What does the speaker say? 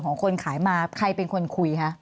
คนขายมาใครเป็นคนคุยคะ